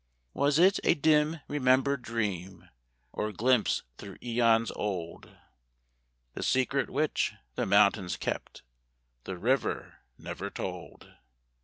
Was it a dim remembered dream? Or glimpse through aeons old? The secret which the mountains kept The river never told.